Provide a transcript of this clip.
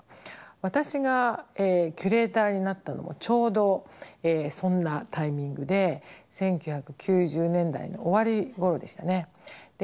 私がキュレーターになったのもちょうどそんなタイミングで１９９０年代の終わりごろでしたね。